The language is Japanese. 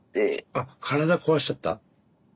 あっ体壊しちゃった？